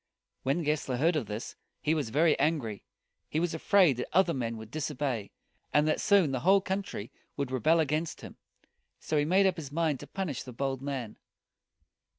When Gessler heard of this, he was very angry. He was afraid that other men would disobey, and that soon the whole country would rebel against him. So he made up his mind to punish the bold man.